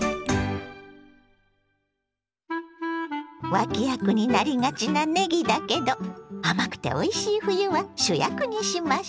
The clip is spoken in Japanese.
脇役になりがちなねぎだけど甘くておいしい冬は主役にしましょ！